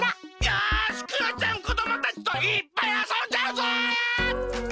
よしクヨちゃんこどもたちといっぱいあそんじゃうぞ！